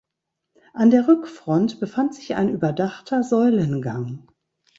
An der Rückfront befand sich ein überdachter Säulengang.